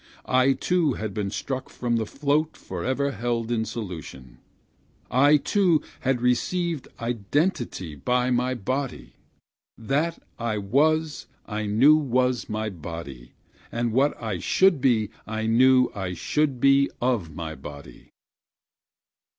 I too had been struck from the float for ever held in solution, I too had received identity by my Body; That I was, I knew, was of my body and what I should be, I knew, I should be of my body.